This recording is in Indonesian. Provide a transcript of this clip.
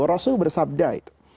rasul bersabda itu